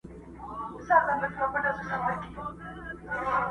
ورځه ویده سه موږ به څرک د سبا ولټوو!!